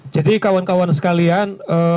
jadi kawan kawan sekalian